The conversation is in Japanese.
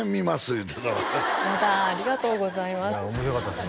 言うてたわやだありがとうございます面白かったですね